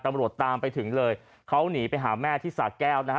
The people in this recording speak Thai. ตำรวจตามไปถึงเลยเขาหนีไปหาแม่ที่สาแก้วนะฮะ